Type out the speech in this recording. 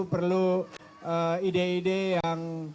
perlu ide ide yang